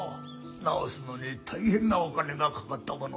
直すのに大変なお金がかかったものですから。